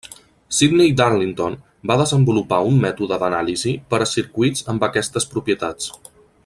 Sidney Darlington va desenvolupar un mètode d'anàlisi per a circuits amb aquestes propietats.